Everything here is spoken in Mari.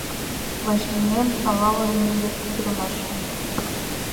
Вашлийнем алалын мӱндыр пӱрымашым.